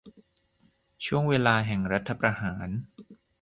ช่วงเวลาแห่งรัฐประหาร